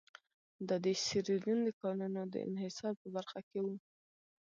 دا د سیریلیون د کانونو د انحصار په برخه کې وو.